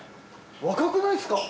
若くないですか？